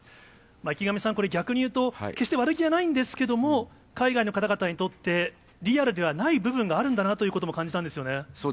池上さん、これ、逆にいうと、決して悪気はないんですけども、海外の方々にとってリアルではない部分があるんだなそうですね。